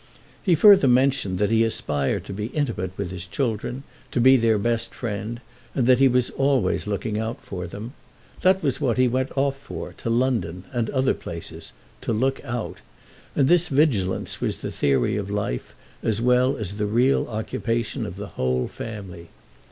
He further mentioned that he aspired to be intimate with his children, to be their best friend, and that he was always looking out for them. That was what he went off for, to London and other places—to look out; and this vigilance was the theory of life, as well as the real occupation, of the whole family.